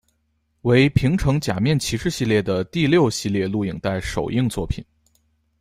为平成假面骑士系列的第六系列录影带首映作品。